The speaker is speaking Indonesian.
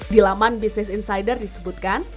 di laman business insider disebutkan